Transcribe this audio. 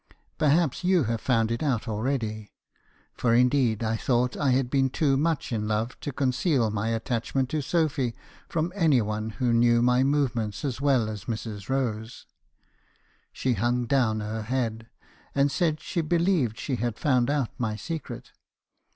Perhaps you have found ft out already?' for indeed I thought I had been too much in love to conceal my attachment to Sophy from any one who knew my movements as well as Mrs. Rose. " She hung down her head , and said she believed she had found out my secret.